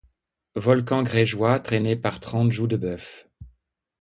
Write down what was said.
Volcans grégeois traînés par trente jougs de bœufs